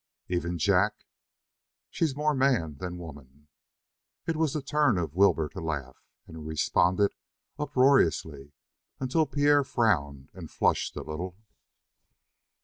"Even Jack?" "She's more man than woman." It was the turn of Wilbur to laugh, and he responded uproariously until Pierre frowned and flushed a little.